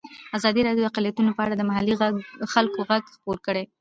ازادي راډیو د اقلیتونه په اړه د محلي خلکو غږ خپور کړی.